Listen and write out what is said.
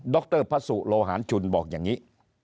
รพระสุโลหารชุนบอกอย่างนี้